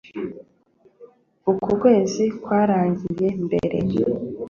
uku kwezi kwarangiye mbere